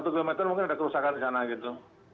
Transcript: satu km mungkin ada kerusakan di sana gitu